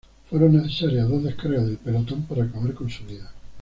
Fueron necesarias dos descargas del pelotón para acabar con su vida.